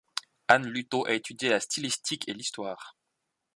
Anne Luthaud a étudié la stylistique et l’histoire.